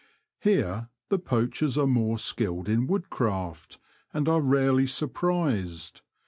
H( the poachers are more skilled in woodcraft, and are rarely sur prised.